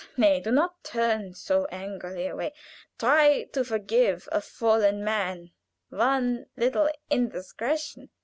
Nay, do not turn so angrily away. Try to forgive a fallen man one little indiscretion.